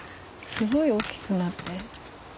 すごい大きくなって。